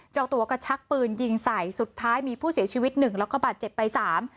เจ้าตัวก็ชักปืนยิงใส่สุดท้ายมีผู้เสียชีวิตหนึ่งแล้วก็บาดเจ็บไปสาม